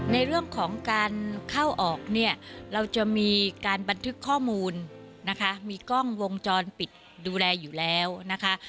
ในเรื่องของการเข้าออกเนี่ยเราจะมีการบันทึกข้อมูลนะคะมีกล้องวงจรปิดดูแลอยู่แล้วนะคะ